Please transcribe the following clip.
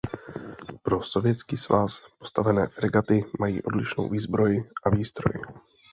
Pro sovětský svaz postavené fregaty mají odlišnou výzbroj a výstroj.